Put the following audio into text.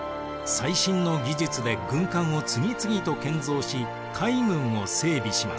最新の技術で軍艦を次々と建造し海軍を整備します。